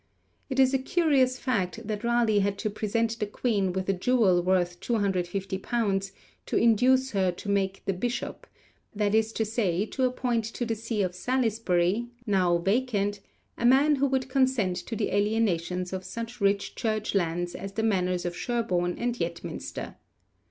It is a curious fact that Raleigh had to present the Queen with a jewel worth 250_l._ to induce her 'to make the Bishop,' that is to say, to appoint to the see of Salisbury, now vacant, a man who would consent to the alienation of such rich Church lands as the manors of Sherborne and Yetminster.